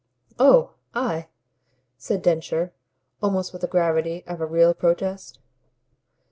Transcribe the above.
"Oh I!" said Densher almost with the gravity of a real protest.